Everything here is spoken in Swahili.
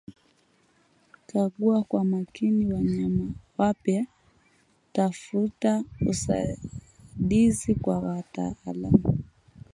kagua kwa umakini wanyama wapya tafuta usaidizi kwa wataalamu